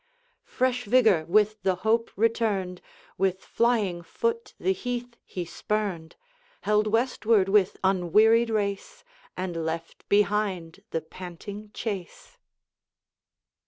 Fresh vigor with the hope returned, With flying foot the heath he spurned, Held westward with unwearied race, And left behind the panting chase.